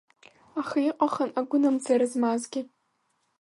Аха иҟахын агәынамӡара змазгьы.